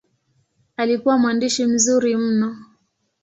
Alikuwa mwandishi mzuri mno.